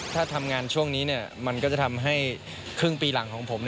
ถ้าทำงานช่วงนี้มันก็จะทำให้ครึ่งปีหลังของผม